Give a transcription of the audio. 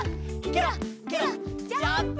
ケロッケロッジャンプ！